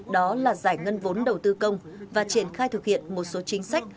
đó là giải ngân vốn đầu tư công và triển khai thực hiện một số chính sách